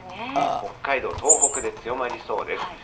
北海道、東北で強まりそうです。